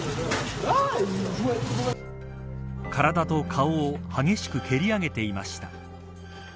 体と顔を激しく蹴り上げていました。